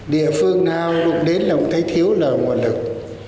địa phương nào cũng đến là thấy thiếu là nguồn lực